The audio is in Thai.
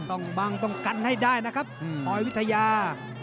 ต้องบังต้องกันให้ได้นะครับปอยวิทยา